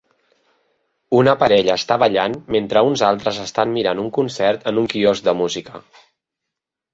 Una parella està ballant mentre uns altres estan mirant un concert en un quiosc de música.